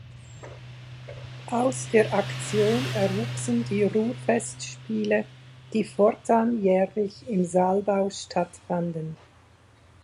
Aus der Aktion erwuchsen die Ruhrfestspiele, die fortan jährlich im Saalbau stattfanden.